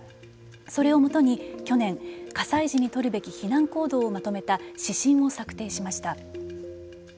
それをもとに去年、火災時に取るべき避難行動をまとめた指針を策定しました。